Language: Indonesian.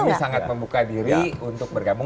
kami sangat membuka diri untuk bergabung